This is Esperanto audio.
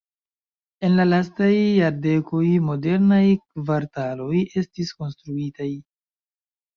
En la lastaj jardekoj modernaj kvartaloj estis konstruitaj.